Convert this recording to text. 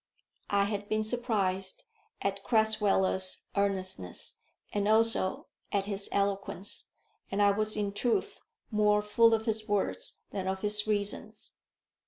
I had been surprised at Crasweller's earnestness, and also at his eloquence, and I was in truth more full of his words than of his reasons.